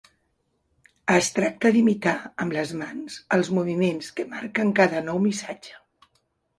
Es tracta d'imitar amb les mans els moviments que marquen cada nou missatge.